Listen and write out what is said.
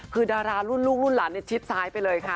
คือดารารุ่นลูกรุ่นหลานในชิดซ้ายไปเลยค่ะ